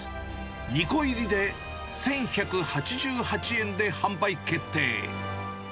２個入りで１１８８円で販売決定。